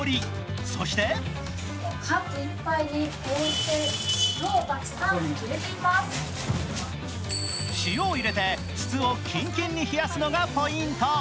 そして塩を入れて筒をキンキンに冷やすのがポイント。